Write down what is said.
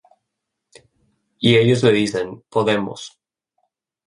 Y ellos le dicen: Podemos.